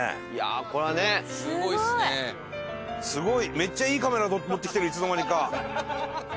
めっちゃいいカメラ持ってきてるいつの間にか。